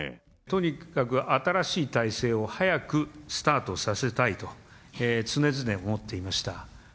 とにかく新しい体制を、早くスタートさせたいと常々思っていました。